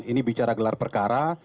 ini bicara gelar perkara